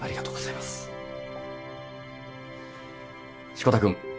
志子田君。